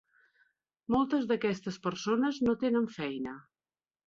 Moltes d'aquestes persones no tenen feina.